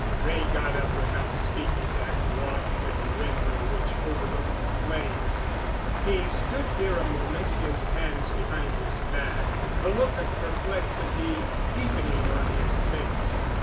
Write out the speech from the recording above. Wray got up without speaking and walked to the window which overlooked the plains. He stood here a moment, his hands behind his back, the look of perplexity deepening on his face.